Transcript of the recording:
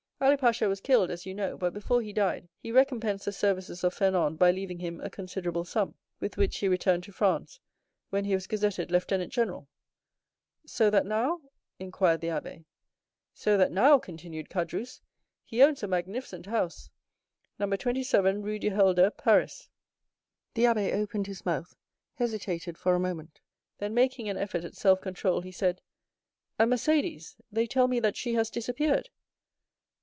Ali Pasha was killed, as you know, but before he died he recompensed the services of Fernand by leaving him a considerable sum, with which he returned to France, when he was gazetted lieutenant general." "So that now——?" inquired the abbé. "So that now," continued Caderousse, "he owns a magnificent house—No. 27, Rue du Helder, Paris." The abbé opened his mouth, hesitated for a moment, then, making an effort at self control, he said, "And Mercédès—they tell me that she has disappeared?"